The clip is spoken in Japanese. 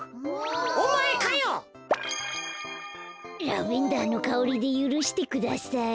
ラベンダーのかおりでゆるしてください。